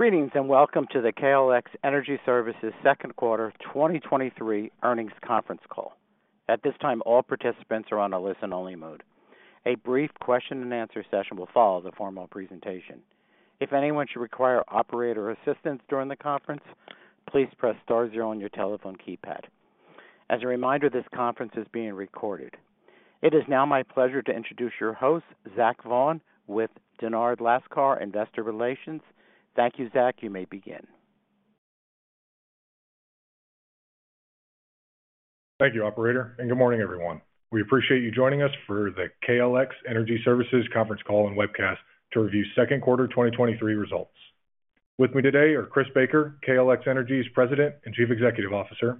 Greetings, welcome to the KLX Energy Services Q2 2023 earnings conference call. At this time, all participants are on a listen-only mode. A brief question and answer session will follow the formal presentation. If anyone should require operator assistance during the conference, please press star zero on your telephone keypad. As a reminder, this conference is being recorded. It is now my pleasure to introduce your host, Zach Vaughan, with Dennard Lascar Investor Relations. Thank you, Zach. You may begin. Thank you, operator. Good morning, everyone. We appreciate you joining us for the KLX Energy Services conference call and webcast to review Q2 2023 results. With me today are Chris Baker, KLX Energy's President and Chief Executive Officer,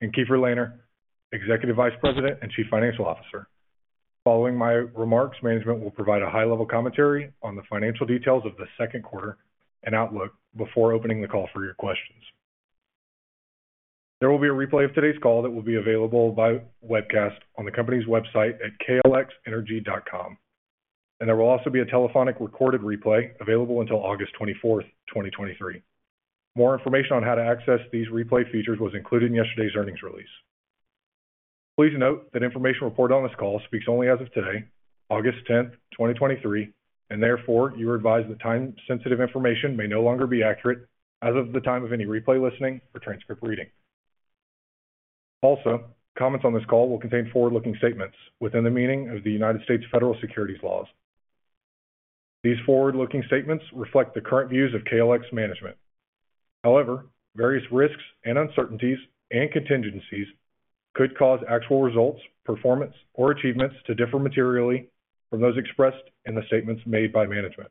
and Keefer Lehner, Executive Vice President and Chief Financial Officer. Following my remarks, management will provide a high-level commentary on the financial details of the Q2 and outlook before opening the call for your questions. There will be a replay of today's call that will be available by webcast on the company's website at klxenergy.com. There will also be a telephonic recorded replay available until August 24th, 2023. More information on how to access these replay features was included in yesterday's earnings release. Please note that information reported on this call speaks only as of today, August 10, 2023, and therefore, you are advised that time-sensitive information may no longer be accurate as of the time of any replay, listening, or transcript reading. Comments on this call will contain forward-looking statements within the meaning of the United States federal securities laws. These forward-looking statements reflect the current views of KLX management. However, various risks and uncertainties and contingencies could cause actual results, performance, or achievements to differ materially from those expressed in the statements made by management.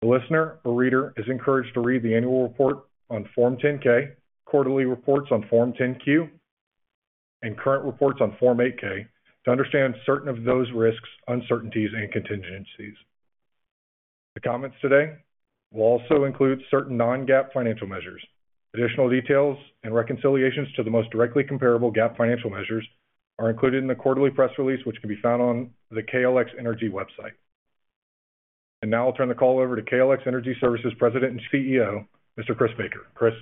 The listener or reader is encouraged to read the annual report on Form 10-K, quarterly reports on Form 10-Q, and current reports on Form 8-K to understand certain of those risks, uncertainties and contingencies. The comments today will also include certain non-GAAP financial measures. Additional details and reconciliations to the most directly comparable GAAP financial measures are included in the quarterly press release, which can be found on the KLX Energy website. Now I'll turn the call over to KLX Energy Services President and CEO, Mr. Chris Baker. Chris?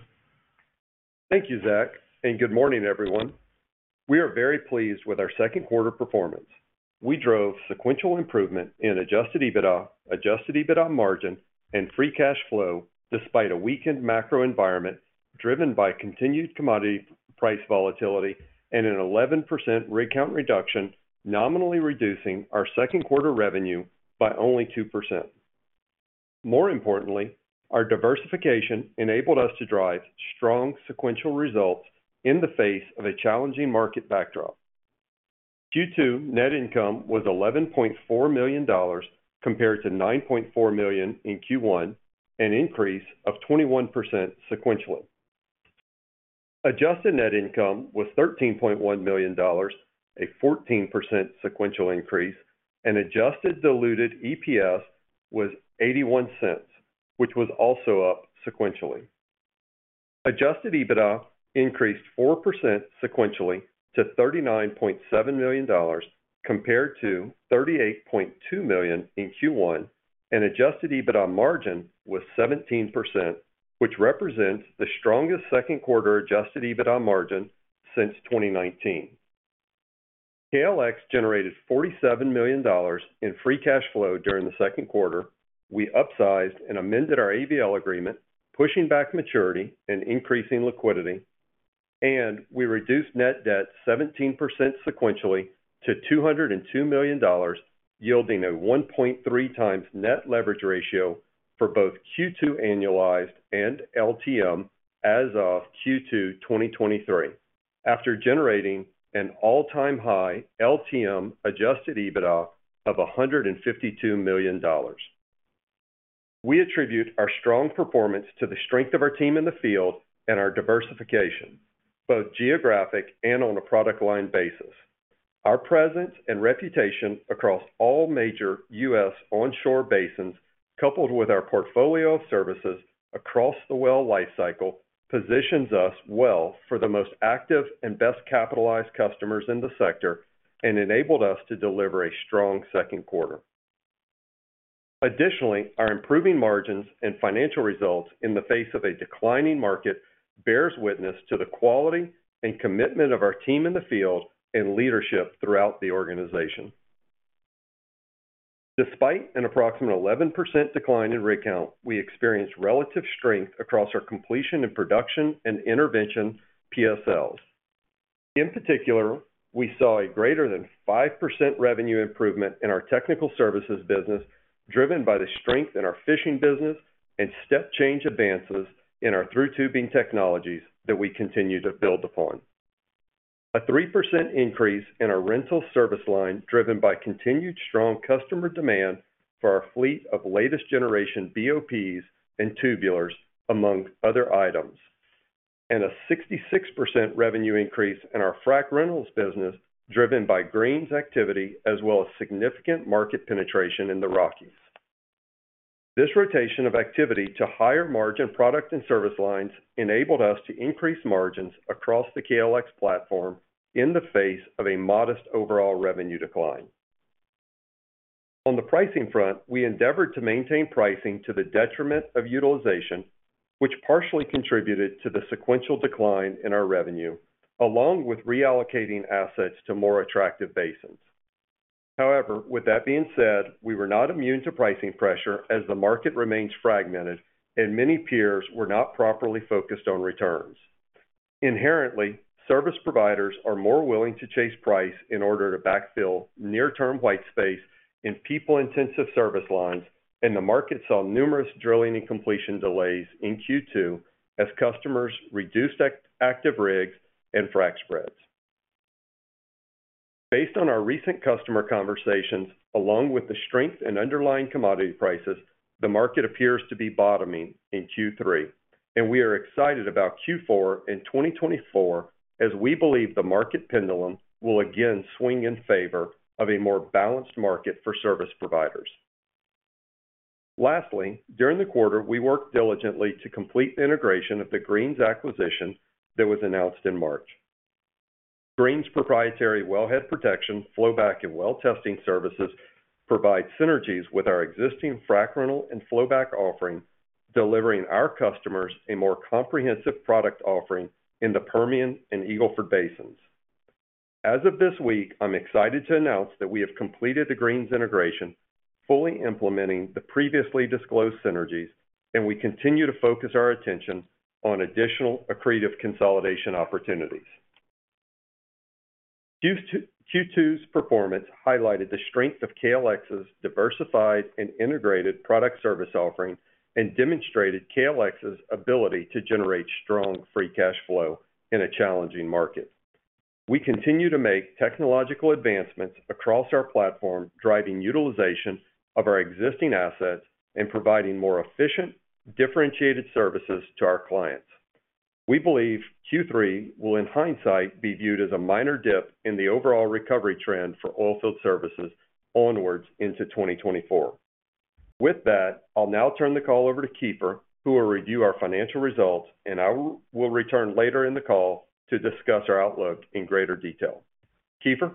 Thank you, Zach. Good morning, everyone. We are very pleased with our Q2 performance. We drove sequential improvement in Adjusted EBITDA, Adjusted EBITDA margin, and free cash flow despite a weakened macro environment, driven by continued commodity price volatility and an 11% rig count reduction, nominally reducing our Q2 revenue by only 2%. More importantly, our diversification enabled us to drive strong sequential results in the face of a challenging market backdrop. Q2 net income was $11.4 million, compared to $9.4 million in Q1, an increase of 21% sequentially. Adjusted net income was $13.1 million, a 14% sequential increase, and adjusted diluted EPS was $0.81, which was also up sequentially. Adjusted EBITDA increased 4% sequentially to $39.7 million, compared to $38.2 million in Q1, and adjusted EBITDA margin was 17%, which represents the strongest Q2 adjusted EBITDA margin since 2019. KLX generated $47 million in free cash flow during the Q2. We upsized and amended our ABL agreement, pushing back maturity and increasing liquidity, and we reduced net debt 17% sequentially to $202 million, yielding a 1.3x net leverage ratio for both Q2 annualized and LTM as of Q2 2023. After generating an all-time high LTM adjusted EBITDA of $152 million. We attribute our strong performance to the strength of our team in the field and our diversification, both geographic and on a product line basis. Our presence and reputation across all major US onshore basins, coupled with our portfolio of services across the well lifecycle, positions us well for the most active and best-capitalized customers in the sector and enabled us to deliver a strong Q2. Additionally, our improving margins and financial results in the face of a declining market bears witness to the quality and commitment of our team in the field and leadership throughout the organization. Despite an approximate 11% decline in rig count, we experienced relative strength across our completion and production and intervention PSLs. In particular, we saw a greater than 5% revenue improvement in our technical services business, driven by the strength in our fishing business and step change advances in our through tubing technologies that we continue to build upon. A 3% increase in our rental service line, driven by continued strong customer demand for our fleet of latest generation BOPs and tubulars, among other items, a 66% revenue increase in our frac rentals business, driven by Greene's activity as well as significant market penetration in the Rockies. This rotation of activity to higher-margin product and service lines enabled us to increase margins across the KLX platform in the face of a modest overall revenue decline. On the pricing front, we endeavored to maintain pricing to the detriment of utilization, which partially contributed to the sequential decline in our revenue, along with reallocating assets to more attractive basins. With that being said, we were not immune to pricing pressure as the market remains fragmented and many peers were not properly focused on returns. Inherently, service providers are more willing to chase price in order to backfill near-term white space in people-intensive service lines. The market saw numerous drilling and completion delays in Q2 as customers reduced active rigs and frac spreads. Based on our recent customer conversations, along with the strength in underlying commodity prices, the market appears to be bottoming in Q3. We are excited about Q4 and 2024, as we believe the market pendulum will again swing in favor of a more balanced market for service providers. Lastly, during the quarter, we worked diligently to complete the integration of the Greene's acquisition that was announced in March. Greene's proprietary wellhead protection, flowback, and well testing services provide synergies with our existing frac rental and flowback offering, delivering our customers a more comprehensive product offering in the Permian and Eagle Ford basins. As of this week, I'm excited to announce that we have completed the Greene's integration, fully implementing the previously disclosed synergies, and we continue to focus our attention on additional accretive consolidation opportunities. Q2's performance highlighted the strength of KLX's diversified and integrated product service offerings and demonstrated KLX's ability to generate strong free cash flow in a challenging market. We continue to make technological advancements across our platform, driving utilization of our existing assets and providing more efficient, differentiated services to our clients. We believe Q3 will, in hindsight, be viewed as a minor dip in the overall recovery trend for oilfield services onwards into 2024. With that, I'll now turn the call over to Keefer, who will review our financial results, and I will return later in the call to discuss our outlook in greater detail. Keefer?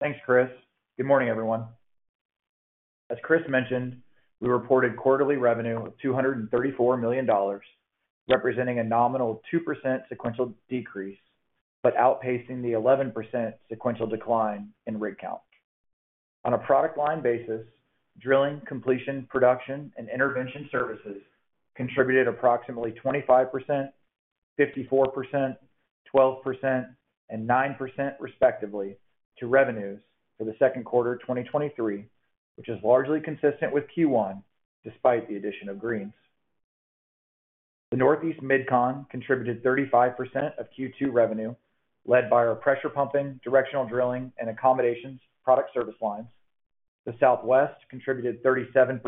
Thanks, Chris. Good morning, everyone. As Chris mentioned, we reported quarterly revenue of $234 million, representing a nominal 2% sequential decrease, but outpacing the 11% sequential decline in rig count. On a product line basis, drilling, completion, production, and intervention services contributed approximately 25%, 54%, 12%, and 9%, respectively, to revenues for the Q2 of 2023, which is largely consistent with Q1, despite the addition of Greene's. The Northeast Mid-Con contributed 35% of Q2 revenue, led by our pressure pumping, directional drilling, and accommodations product service lines. The Southwest contributed 37%,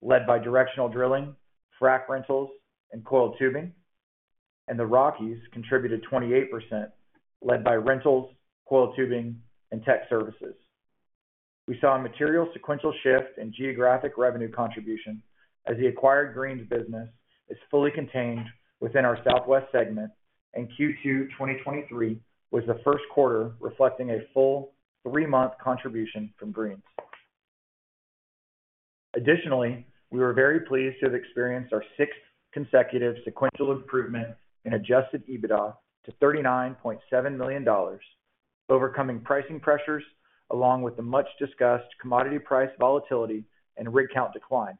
led by directional drilling, frac rentals, and coiled tubing. The Rockies contributed 28%, led by rentals, coiled tubing, and tech services. We saw a material sequential shift in geographic revenue contribution as the acquired Greene's business is fully contained within our Southwest segment, Q2 2023 was the Q1, reflecting a full 3-month contribution from Greene's. Additionally, we were very pleased to have experienced our 6th consecutive sequential improvement in Adjusted EBITDA to $39.7 million, overcoming pricing pressures along with the much-discussed commodity price volatility and rig count decline.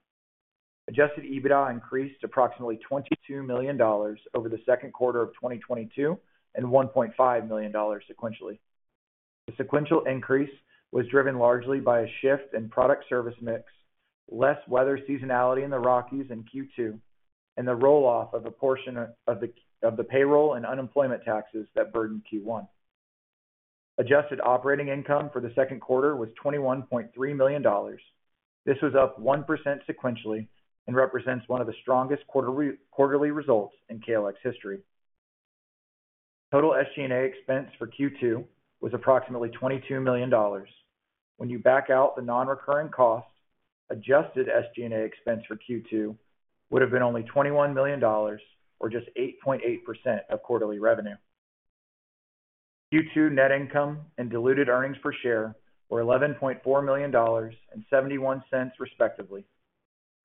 Adjusted EBITDA increased approximately $22 million over the 2nd quarter of 2022, and $1.5 million sequentially. The sequential increase was driven largely by a shift in product service mix, less weather seasonality in the Rockies in Q2, and the roll-off of a portion of the payroll and unemployment taxes that burdened Q1. Adjusted Operating Income for the 2nd quarter was $21.3 million. This was up 1% sequentially and represents one of the strongest quarterly results in KLX history. Total SG&A expense for Q2 was approximately $22 million. When you back out the non-recurring costs, adjusted SG&A expense for Q2 would have been only $21 million, or just 8.8% of quarterly revenue. Q2 net income and diluted earnings per share were $11.4 million and $0.71, respectively.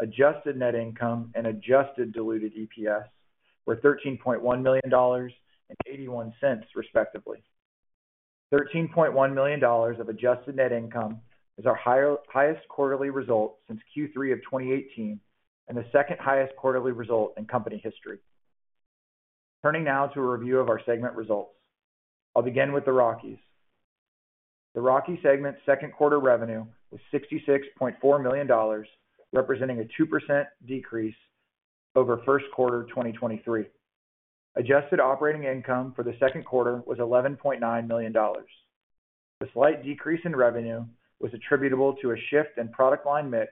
Adjusted net income and adjusted diluted EPS were $13.1 million and $0.81, respectively. $13.1 million of adjusted net income is our highest quarterly result since Q3 of 2018, and the second highest quarterly result in company history. Turning now to a review of our segment results. I'll begin with the Rockies. The Rockies segment's Q2 revenue was $66.4 million, representing a 2% decrease over Q1 2023. Adjusted Operating Income for the Q2 was $11.9 million. The slight decrease in revenue was attributable to a shift in product line mix,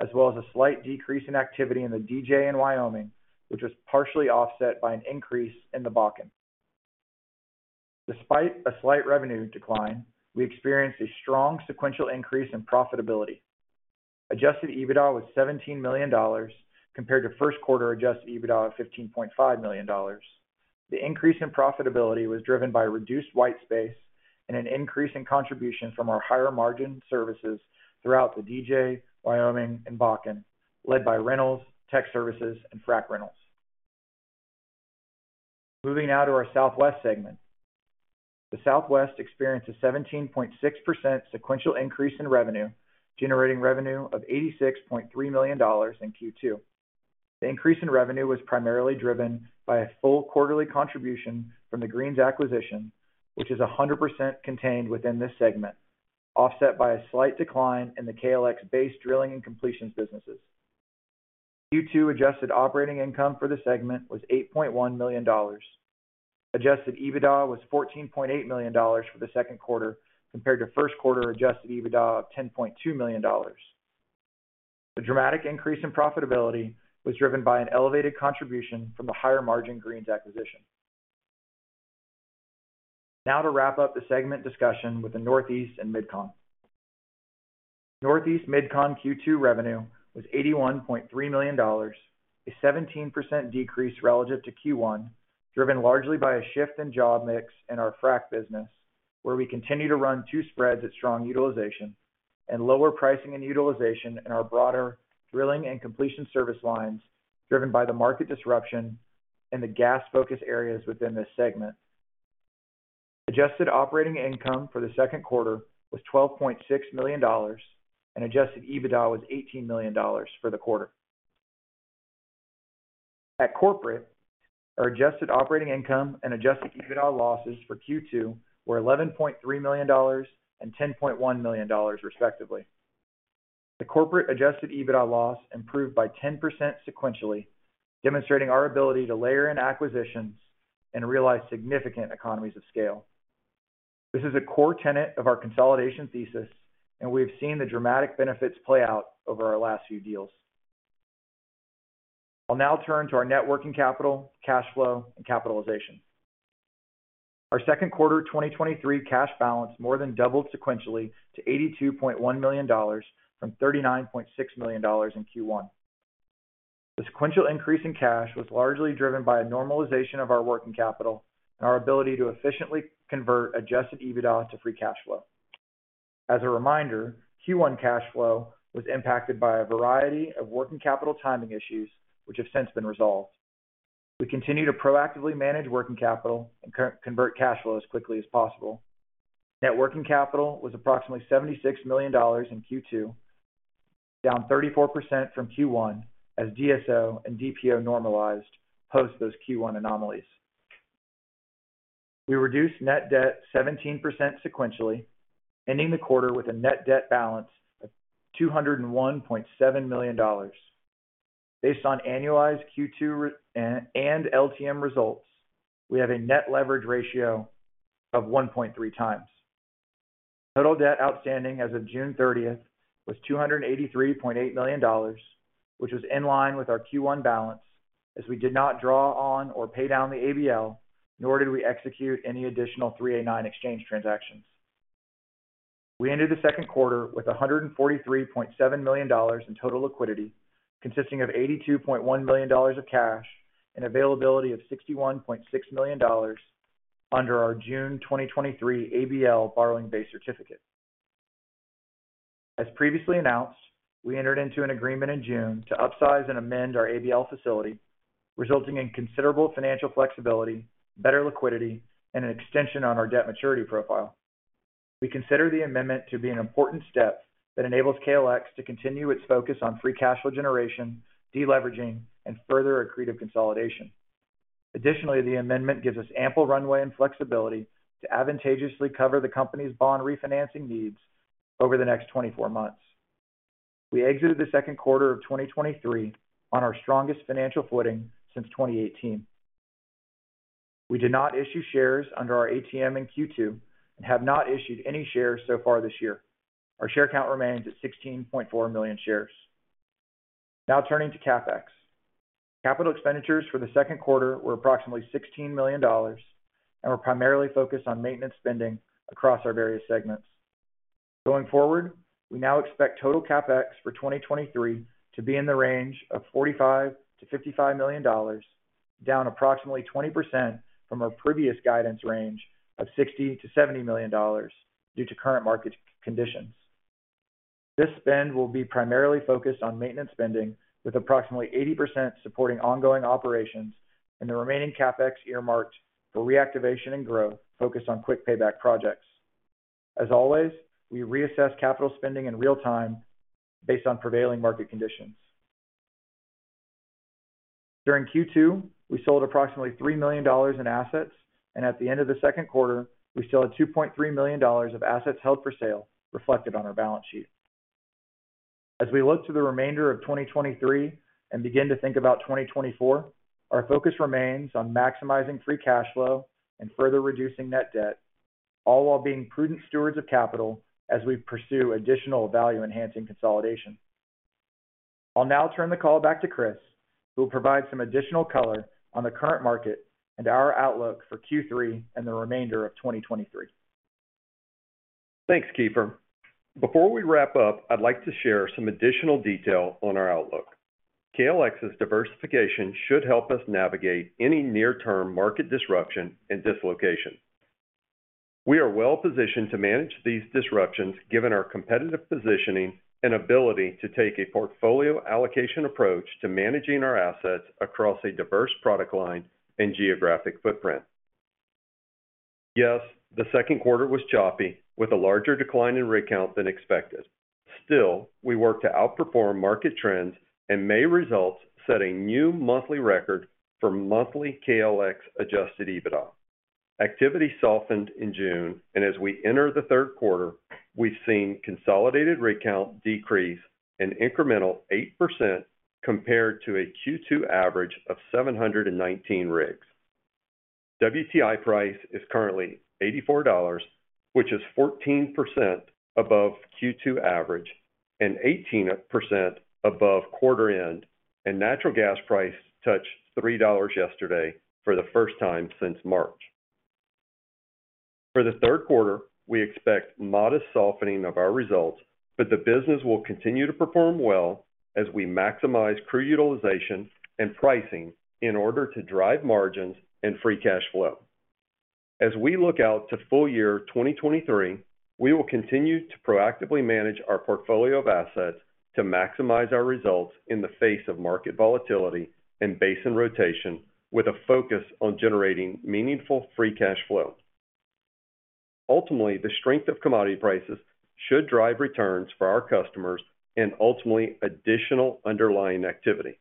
as well as a slight decrease in activity in the DJ and Wyoming, which was partially offset by an increase in the Bakken. Despite a slight revenue decline, we experienced a strong sequential increase in profitability. Adjusted EBITDA was $17 million compared to Q1 Adjusted EBITDA of $15.5 million. The increase in profitability was driven by reduced white space and an increase in contribution from our higher margin services throughout the DJ, Wyoming, and Bakken, led by rentals, tech services, and frac rentals. Moving now to our Southwest segment. The Southwest experienced a 17.6% sequential increase in revenue, generating revenue of $86.3 million in Q2. The increase in revenue was primarily driven by a full quarterly contribution from the Greene's acquisition, which is 100% contained within this segment, offset by a slight decline in the KLX base drilling and completions businesses. Q2 adjusted operating income for the segment was $8.1 million. Adjusted EBITDA was $14.8 million for the Q2, compared to Q1 adjusted EBITDA of $10.2 million. The dramatic increase in profitability was driven by an elevated contribution from the higher margin Greene's acquisition. To wrap up the segment discussion with the Northeast Mid-Con. Northeast Mid-Con Q2 revenue was $81.3 million, a 17% decrease relative to Q1, driven largely by a shift in job mix in our frac business, where we continue to run 2 spreads at strong utilization and lower pricing and utilization in our broader drilling and completion service lines, driven by the market disruption and the gas focus areas within this segment. Adjusted operating income for the Q2 was $12.6 million, and adjusted EBITDA was $18 million for the quarter. At corporate, our adjusted operating income and adjusted EBITDA losses for Q2 were $11.3 million and $10.1 million, respectively. The corporate adjusted EBITDA loss improved by 10% sequentially, demonstrating our ability to layer in acquisitions and realize significant economies of scale. This is a core tenet of our consolidation thesis, and we've seen the dramatic benefits play out over our last few deals. I'll now turn to our net working capital, cash flow, and capitalization. Our Q2 2023 cash balance more than doubled sequentially to $82.1 million from $39.6 million in Q1. The sequential increase in cash was largely driven by a normalization of our working capital and our ability to efficiently convert Adjusted EBITDA to free cash flow. As a reminder, Q1 cash flow was impacted by a variety of working capital timing issues, which have since been resolved. We continue to proactively manage working capital and convert cash flow as quickly as possible. Net working capital was approximately $76 million in Q2, down 34% from Q1, as DSO and DPO normalized post those Q1 anomalies. We reduced net debt 17% sequentially, ending the quarter with a net debt balance of $201.7 million. Based on annualized Q2 and LTM results, we have a net leverage ratio of 1.3 times. Total debt outstanding as of June 30th was $283.8 million, which was in line with our Q1 balance, as we did not draw on or pay down the ABL, nor did we execute any additional 389 exchange transactions. We ended the Q2 with $143.7 million in total liquidity, consisting of $82.1 million of cash and availability of $61.6 million under our June 2023 ABL Borrowing Base Certificate. As previously announced, we entered into an agreement in June to upsize and amend our ABL facility, resulting in considerable financial flexibility, better liquidity, and an extension on our debt maturity profile. We consider the amendment to be an important step that enables KLX to continue its focus on free cash flow generation, deleveraging, and further accretive consolidation. Additionally, the amendment gives us ample runway and flexibility to advantageously cover the company's bond refinancing needs over the next 24 months. We exited the Q2 of 2023 on our strongest financial footing since 2018. We did not issue shares under our ATM in Q2 and have not issued any shares so far this year. Our share count remains at 16.4 million shares. Now turning to CapEx. Capital expenditures for the Q2 were approximately $16 million and were primarily focused on maintenance spending across our various segments. Going forward, we now expect total CapEx for 2023 to be in the range of $45 million-$55 million, down approximately 20% from our previous guidance range of $60 million-$70 million due to current market conditions. This spend will be primarily focused on maintenance spending, with approximately 80% supporting ongoing operations and the remaining CapEx earmarked for reactivation and growth focused on quick payback projects. As always, we reassess capital spending in real time based on prevailing market conditions. During Q2, we sold approximately $3 million in assets, and at the end of the Q2, we still had $2.3 million of assets held for sale reflected on our balance sheet. As we look to the remainder of 2023 and begin to think about 2024, our focus remains on maximizing free cash flow and further reducing net debt, all while being prudent stewards of capital as we pursue additional value-enhancing consolidation. I'll now turn the call back to Chris, who will provide some additional color on the current market and our outlook for Q3 and the remainder of 2023. Thanks, Keefer. Before we wrap up, I'd like to share some additional detail on our outlook. KLX's diversification should help us navigate any near-term market disruption and dislocation. We are well-positioned to manage these disruptions, given our competitive positioning and ability to take a portfolio allocation approach to managing our assets across a diverse product line and geographic footprint. Yes, the Q2 was choppy, with a larger decline in rig count than expected. Still, we worked to outperform market trends, and May results set a new monthly record for monthly KLX Adjusted EBITDA. Activity softened in June, and as we enter the Q3, we've seen consolidated rig count decrease an incremental 8% compared to a Q2 average of 719 rigs. WTI price is currently $84, which is 14% above Q2 average and 18% above quarter end, and natural gas price touched $3 yesterday for the first time since March. For the Q3, we expect modest softening of our results, but the business will continue to perform well as we maximize crew utilization and pricing in order to drive margins and free cash flow. As we look out to full year 2023, we will continue to proactively manage our portfolio of assets to maximize our results in the face of market volatility and basin rotation, with a focus on generating meaningful free cash flow. Ultimately, the strength of commodity prices should drive returns for our customers and ultimately additional underlying activity.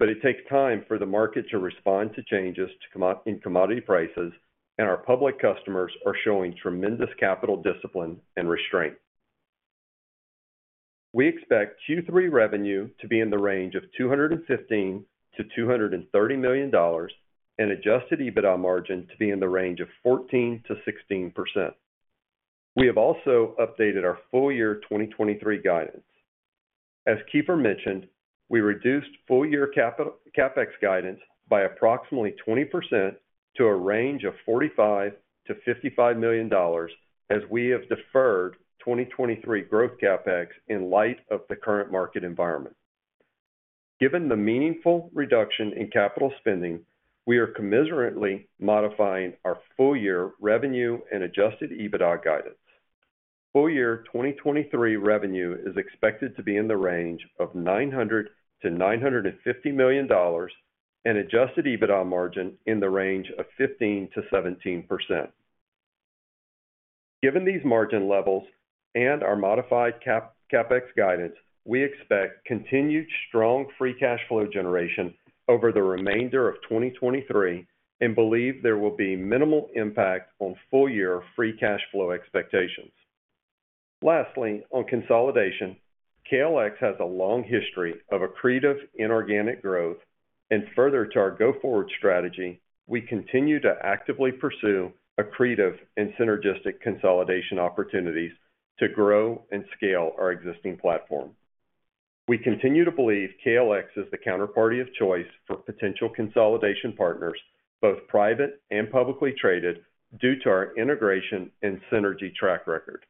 It takes time for the market to respond to changes in commodity prices, and our public customers are showing tremendous capital discipline and restraint. We expect Q3 revenue to be in the range of $215 million-$230 million and adjusted EBITDA margin to be in the range of 14%-16%. We have also updated our full year 2023 guidance. As Keefer mentioned, we reduced full-year CapEx guidance by approximately 20% to a range of $45 million-$55 million, as we have deferred 2023 growth CapEx in light of the current market environment. Given the meaningful reduction in capital spending, we are commensurately modifying our full year revenue and adjusted EBITDA guidance. Full year 2023 revenue is expected to be in the range of $900 million-$950 million and Adjusted EBITDA margin in the range of 15%-17%. Given these margin levels and our modified CapEx guidance, we expect continued strong free cash flow generation over the remainder of 2023 and believe there will be minimal impact on full-year free cash flow expectations. On consolidation, KLX has a long history of accretive inorganic growth, and further to our go-forward strategy, we continue to actively pursue accretive and synergistic consolidation opportunities to grow and scale our existing platform. We continue to believe KLX is the counterparty of choice for potential consolidation partners, both private and publicly traded, due to our integration and synergy track record.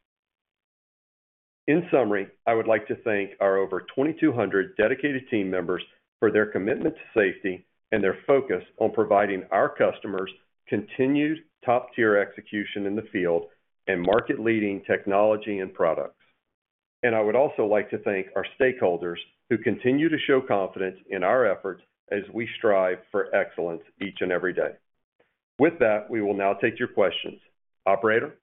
In summary, I would like to thank our over 2,200 dedicated team members for their commitment to safety and their focus on providing our customers continued top-tier execution in the field and market-leading technology and products. I would also like to thank our stakeholders, who continue to show confidence in our efforts as we strive for excellence each and every day. With that, we will now take your questions. Operator?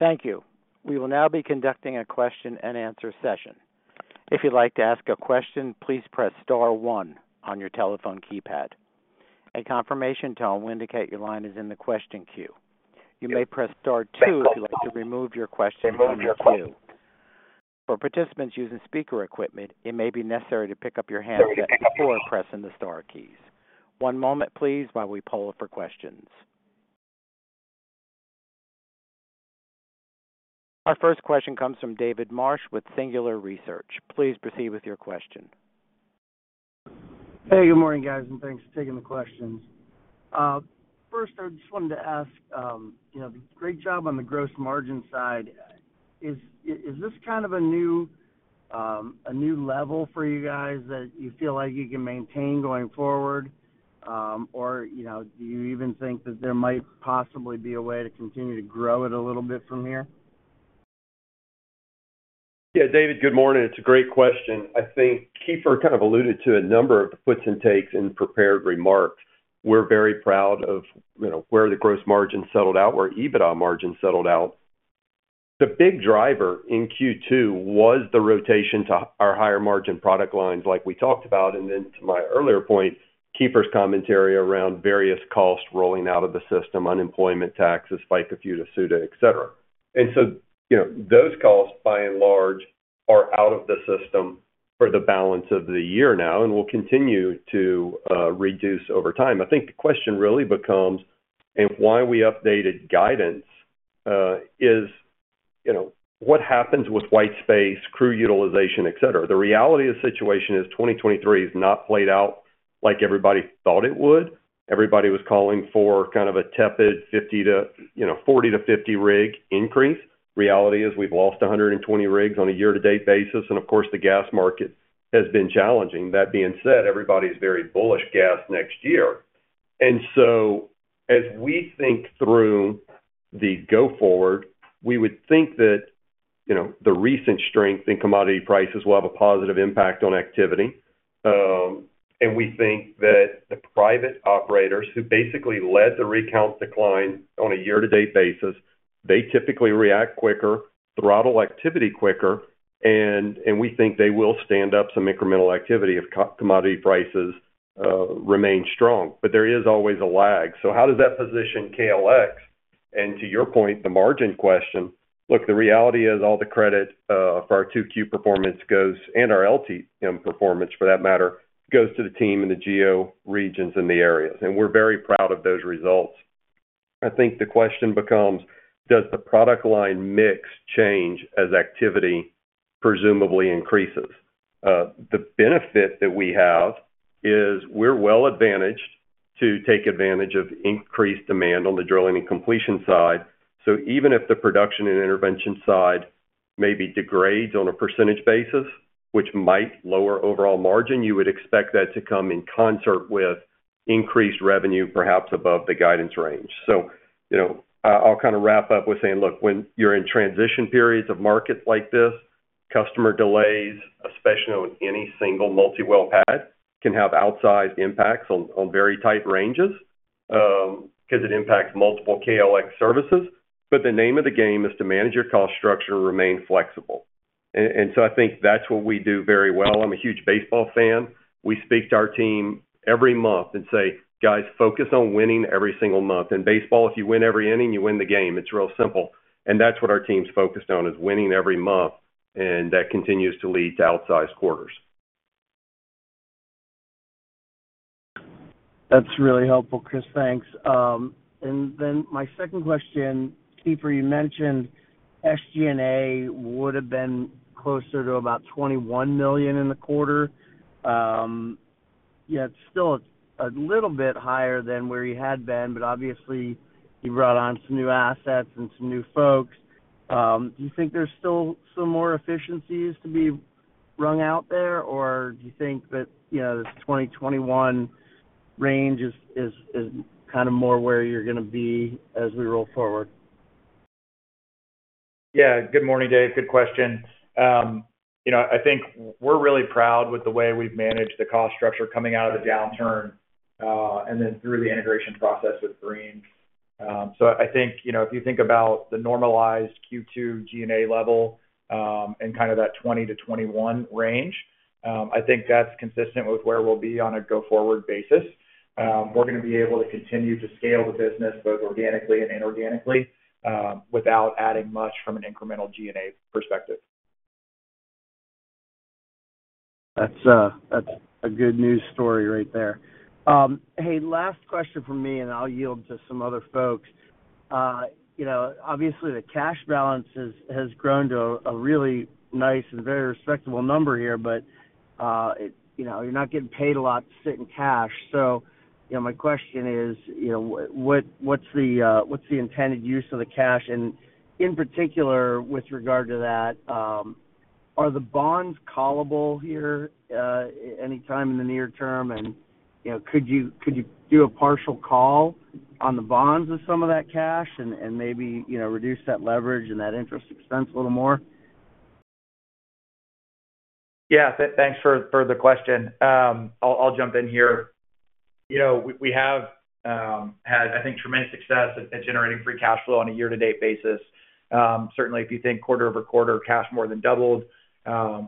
Thank you. We will now be conducting a question-and-answer session. If you'd like to ask a question, please press star one on your telephone keypad. A confirmation tone will indicate your line is in the question queue. You may press star two if you'd like to remove your question from the queue. For participants using speaker equipment, it may be necessary to pick up your handset before pressing the star keys. One moment, please, while we poll for questions. Our first question comes from David B. Marsh with Singular Research. Please proceed with your question. Hey, good morning, guys, and thanks for taking the questions. First, I just wanted to ask, you know, great job on the gross margin side. Is, is this kind of a new, a new level for you guys that you feel like you can maintain going forward? You know, do you even think that there might possibly be a way to continue to grow it a little bit from here? Yeah, David, good morning. It's a great question. I think Keefer kind of alluded to a number of the puts and takes in prepared remarks. We're very proud of, you know, where the gross margin settled out, where EBITDA margin settled out. The big driver in Q2 was the rotation to our higher-margin product lines, like we talked about, and then to my earlier point, Keefer's commentary around various costs rolling out of the system, unemployment taxes, FICA, FUTA, SUTA, et cetera. So, you know, those costs, by and large, are out of the system for the balance of the year now and will continue to reduce over time. I think the question really becomes, and why we updated guidance, you know, what happens with white space, crew utilization, et cetera? The reality of the situation is 2023 has not played out like everybody thought it would. Everybody was calling for kind of a tepid, you know, 40-50 rig increase. Reality is we've lost 120 rigs on a year-to-date basis, and of course, the gas market has been challenging. That being said, everybody's very bullish gas next year. As we think through the go forward, we would think that, you know, the recent strength in commodity prices will have a positive impact on activity. We think that the private operators, who basically led the rig count decline on a year-to-date basis, they typically react quicker, throttle activity quicker, and, and we think they will stand up some incremental activity if commodity prices remain strong. There is always a lag. How does that position KLX? To your point, the margin question, look, the reality is all the credit for our 2Q performance goes, and our LTM performance for that matter, goes to the team in the geo regions and the areas, and we're very proud of those results. I think the question becomes: Does the product line mix change as activity presumably increases? The benefit that we have is we're well-advantaged to take advantage of increased demand on the drilling and completion side. Even if the production and intervention side maybe degrades on a % basis, which might lower overall margin, you would expect that to come in concert with increased revenue, perhaps above the guidance range. I'll kind of wrap up with saying, look, when you're in transition periods of markets like this, customer delays, especially with any single multi-well pad, can have outsized impacts on, on very tight ranges, 'cause it impacts multiple KLX services. The name of the game is to manage your cost structure and remain flexible. And so I think that's what we do very well. I'm a huge baseball fan. We speak to our team every month and say, "Guys, focus on winning every single month." In baseball, if you win every inning, you win the game. It's real simple. That's what our team's focused on, is winning every month, and that continues to lead to outsized quarters. That's really helpful, Chris. Thanks. Then my second question, Keefer, you mentioned SG&A would have been closer to about $21 million in the quarter. Yet still a, a little bit higher than where you had been, but obviously, you brought on some new assets and some new folks. Do you think there's still some more efficiencies to be wrung out there? Or do you think that, you know, this $20 million-$21 million range is, is, is kind of more where you're gonna be as we roll forward? Yeah. Good morning, Dave. Good question. I think we're really proud with the way we've managed the cost structure coming out of the downturn, and then through the integration process with Greene's. I think, you know, if you think about the normalized Q2 G&A level, and kind of that 20-21 range, I think that's consistent with where we'll be on a go-forward basis. We're gonna be able to continue to scale the business, both organically and inorganically, without adding much from an incremental G&A perspective. That's a, that's a good news story right there. Hey, last question from me, and I'll yield to some other folks. You know, obviously, the cash balance has, has grown to a, a really nice and very respectable number here, but, you know, you're not getting paid a lot to sit in cash. You know, my question is, you know, what, what's the, what's the intended use of the cash? In particular, with regard to that, are the bonds callable here, anytime in the near term? You know, could you, could you do a partial call on the bonds with some of that cash and, and maybe, you know, reduce that leverage and that interest expense a little more? Yeah. Thanks for, for the question. I'll, I'll jump in here. we have had, I think, tremendous success at, at generating free cash flow on a year-to-date basis. Certainly, if you think quarter-over-quarter, cash more than doubled.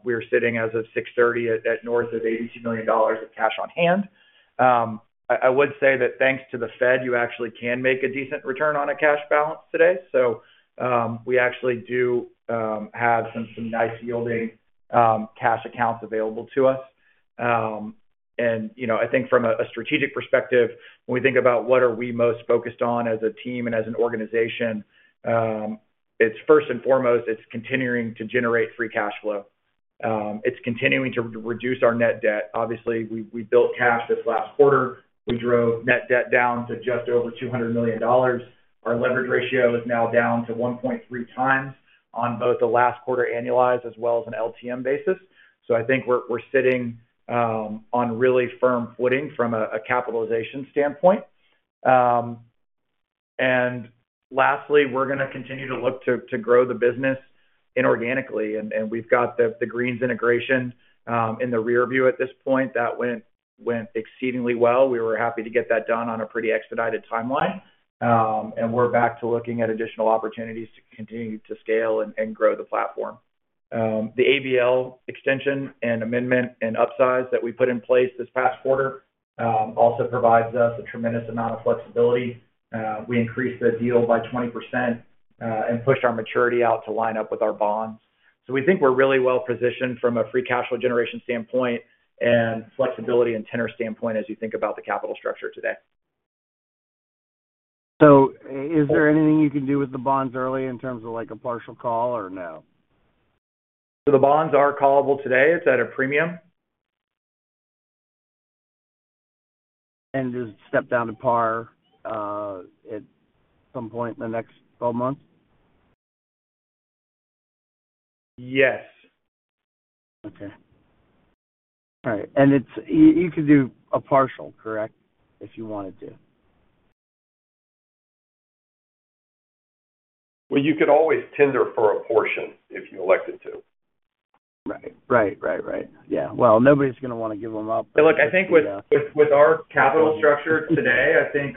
We are sitting, as of 6/30, at, at north of $82 million of cash on hand. I, I would say that thanks to the Fed, you actually can make a decent return on a cash balance today. We actually do have some, some nice yielding cash accounts available to us. You know, I think from a, a strategic perspective, when we think about what are we most focused on as a team and as an organization, it's first and foremost, it's continuing to generate free cash flow. It's continuing to reduce our net debt. Obviously, we, we built cash this last quarter. We drove net debt down to just over $200 million. Our leverage ratio is now down to 1.3 times on both the last quarter annualized as well as an LTM basis. I think we're, we're sitting on really firm footing from a, a capitalization standpoint. And lastly, we're gonna continue to look to, to grow the business inorganically, and, and we've got the, the Greene's integration in the rearview at this point. That went, went exceedingly well. We were happy to get that done on a pretty expedited timeline. And we're back to looking at additional opportunities to continue to scale and, and grow the platform. The ABL extension and amendment and upsize that we put in place this past quarter, also provides us a tremendous amount of flexibility. We increased the deal by 20%, and pushed our maturity out to line up with our bonds. We think we're really well-positioned from a free cash flow generation standpoint and flexibility and tenor standpoint, as you think about the capital structure today. Is there anything you can do with the bonds early in terms of, like, a partial call or no? The bonds are callable today. It's at a premium. Just step down to par, at some point in the next 12 months? Yes. Okay. All right. You could do a partial, correct? If you wanted to. Well, you could always tender for a portion if you elected to. Right. Well, nobody's gonna wanna give them up. Look, I think with our capital structure today, I think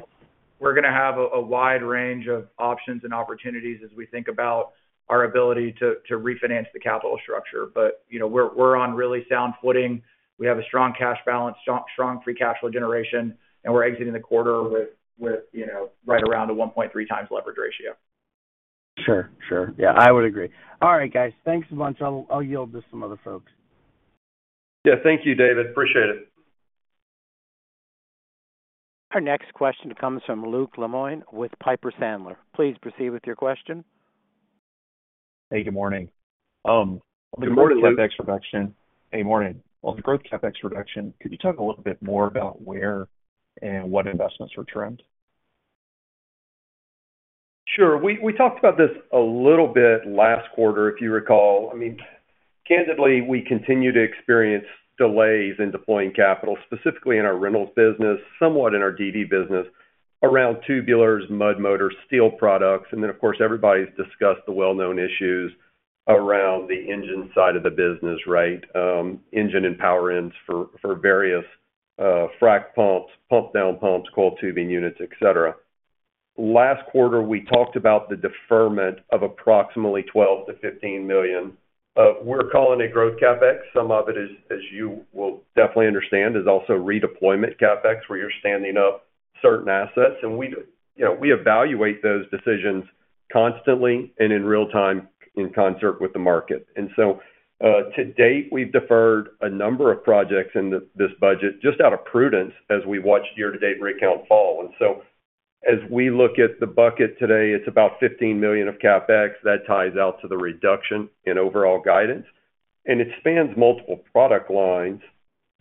we're gonna have a wide range of options and opportunities as we think about our ability to refinance the capital structure. You know, we're on really sound footing. We have a strong cash balance, strong free cash flow generation, and we're exiting the quarter with, you know, right around a 1.3 times leverage ratio. Sure, I would agree. All right, guys. Thanks a bunch. I'll, I'll yield to some other folks. Yeah. Thank you, David. Appreciate it. Our next question comes from Luke Lemoine with Piper Sandler. Please proceed with your question. Hey, good morning. Good morning, Luke. Hey, morning. On the growth CapEx reduction, could you talk a little bit more about where and what investments were trimmed? Sure. We, we talked about this a little bit last quarter, if you recall. I mean candidly, we continue to experience delays in deploying capital, specifically in our rentals business, somewhat in our DD business, around tubulars, mud motors, steel products, and then, of course, everybody's discussed the well-known issues around the engine side of the business, right? Engine and power ends for, for various frac pumps, pump down pumps, coiled tubing units, et cetera. Last quarter, we talked about the deferment of approximately $12 million-$15 million. We're calling it growth CapEx. Some of it is, as you will definitely understand, is also redeployment CapEx, where you're standing up certain assets, and we, you know, we evaluate those decisions constantly and in real time in concert with the market. To date, we've deferred a number of projects in this budget just out of prudence as we watched year-to-date rig count fall. As we look at the bucket today, it's about $15 million of CapEx. That ties out to the reduction in overall guidance, and it spans multiple product lines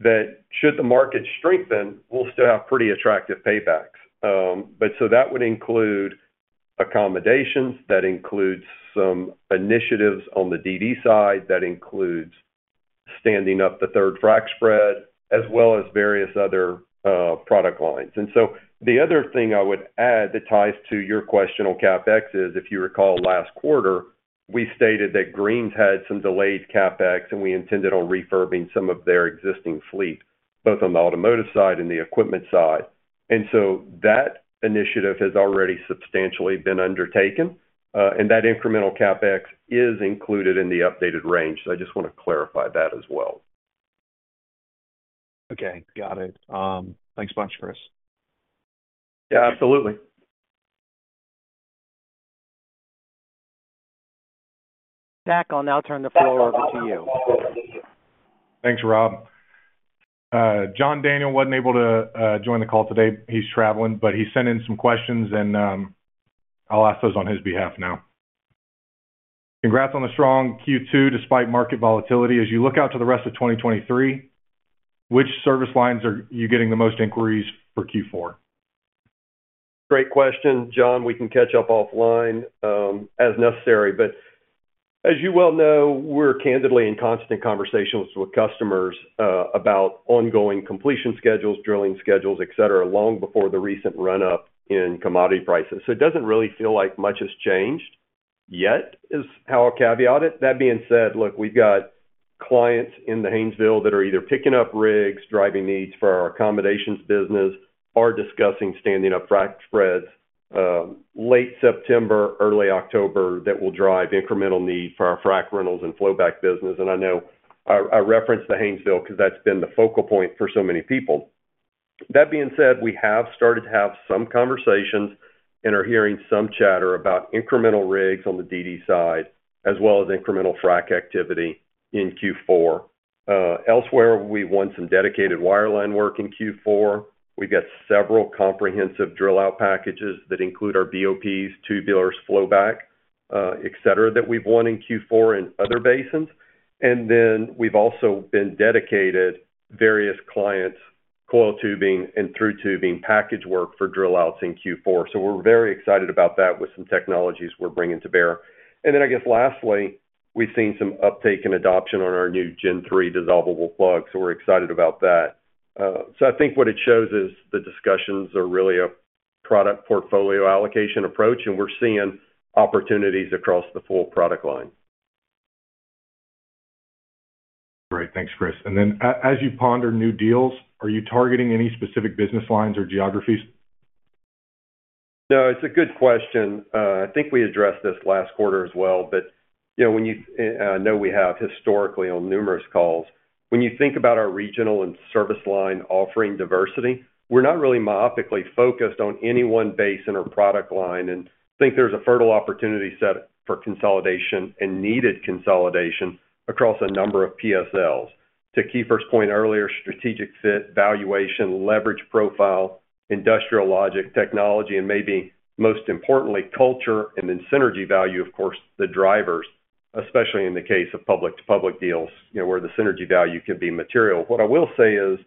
that, should the market strengthen, we'll still have pretty attractive paybacks. That would include accommodations, that includes some initiatives on the DD side, that includes standing up the third frac spread, as well as various other product lines. The other thing I would add that ties to your question on CapEx is, if you recall last quarter, we stated that Greene's had some delayed CapEx, and we intended on refurbing some of their existing fleet, both on the automotive side and the equipment side. That initiative has already substantially been undertaken, and that incremental CapEx is included in the updated range. I just want to clarify that as well. Okay, got it. Thanks a bunch, Chris. Yeah, absolutely. Zach, I'll now turn the floor over to you. Thanks, Rob. John Daniel wasn't able to join the call today. He's traveling, but he sent in some questions, and I'll ask those on his behalf now. Congrats on the strong Q2, despite market volatility. As you look out to the rest of 2023, which service lines are you getting the most inquiries for Q4? Great question, John. We can catch up offline, as necessary, but as you well know, we're candidly in constant conversations with customers, about ongoing completion schedules, drilling schedules, et cetera, long before the recent run-up in commodity prices. It doesn't really feel like much has changed yet, is how I'll caveat it. That being said, look, we've got clients in the Haynesville that are either picking up rigs, driving needs for our accommodations business, or discussing standing up frac spreads, late September, early October, that will drive incremental need for our frac rentals and flowback business. I know I, I referenced the Haynesville because that's been the focal point for so many people. That being said, we have started to have some conversations and are hearing some chatter about incremental rigs on the DD side, as well as incremental frac activity in Q4. Elsewhere, we've won some dedicated wireline work in Q4. We've got several comprehensive drill out packages that include our BOPs, tubulars, flowback, et cetera, that we've won in Q4 in other basins. We've also been dedicated various clients coiled tubing and through tubing package work for drill outs in Q4. We're very excited about that with some technologies we're bringing to bear. I guess lastly, we've seen some uptake in adoption on our new Gen3 Dissolvable Frac Plug, so we're excited about that. I think what it shows is the discussions are really a product portfolio allocation approach, and we're seeing opportunities across the full product line. Great. Thanks, Chris. Then as you ponder new deals, are you targeting any specific business lines or geographies? No, it's a good question. I think we addressed this last quarter as well, but, you know, when you, I know we have historically on numerous calls. When you think about our regional and service line offering diversity, we're not really myopically focused on any one base in our product line, and I think there's a fertile opportunity set for consolidation and needed consolidation across a number of PSLs. To Keith's first point earlier, strategic fit, valuation, leverage profile, industrial logic, technology, and maybe most importantly, culture, and then synergy value, of course, the drivers, especially in the case of public-to-public deals, you know, where the synergy value can be material. What I will say is,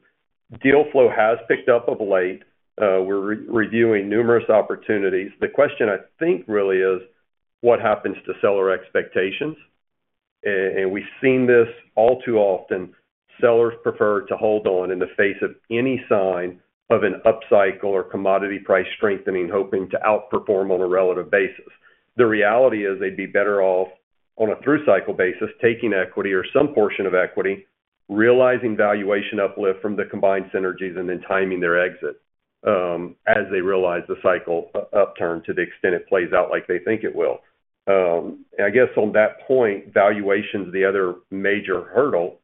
deal flow has picked up of late. We're reviewing numerous opportunities. The question, I think, really is, what happens to seller expectations? We've seen this all too often, sellers prefer to hold on in the face of any sign of an upcycle or commodity price strengthening, hoping to outperform on a relative basis. The reality is they'd be better off on a through-cycle basis, taking equity or some portion of equity, realizing valuation uplift from the combined synergies, and then timing their exit as they realize the cycle upturn to the extent it plays out like they think it will. I guess on that point, valuation is the other major hurdle.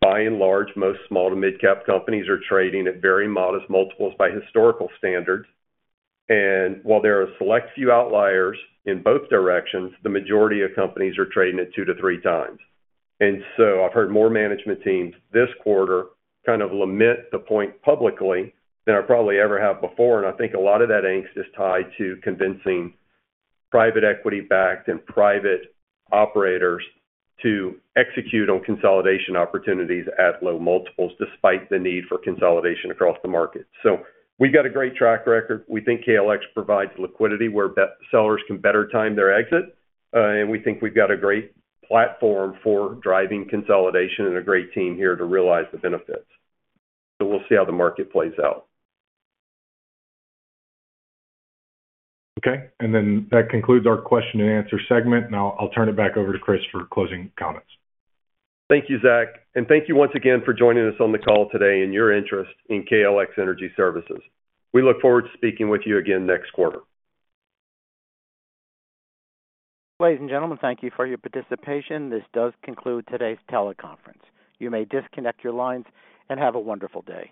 By and large, most small to mid-cap companies are trading at very modest multiples by historical standards. While there are a select few outliers in both directions, the majority of companies are trading at 2 to 3 times. I've heard more management teams this quarter kind of limit the point publicly than I probably ever have before, and I think a lot of that angst is tied to convincing private equity-backed and private operators to execute on consolidation opportunities at low multiples, despite the need for consolidation across the market. We've got a great track record. We think KLX provides liquidity where sellers can better time their exit, and we think we've got a great platform for driving consolidation and a great team here to realize the benefits. We'll see how the market plays out. Okay, that concludes our question and answer segment. I'll turn it back over to Chris for closing comments. Thank you, Zach, and thank you once again for joining us on the call today and your interest in KLX Energy Services. We look forward to speaking with you again next quarter. Ladies and gentlemen, thank you for your participation. This does conclude today's teleconference. You may disconnect your lines, and have a wonderful day!